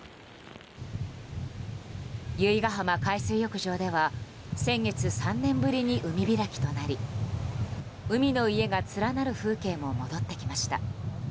由比ガ浜海水浴場では先月３年ぶりに海開きとなり海の家が連なる風景も戻ってきました。